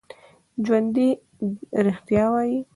ژوندي رښتیا وايي